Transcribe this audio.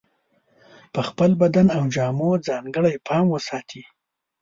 په خپل بدن او جامو ځانګړی پام ساتي.